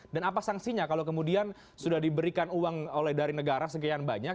dan apa sangsinya kalau kemudian sudah diberikan uang oleh dari negara segian banyak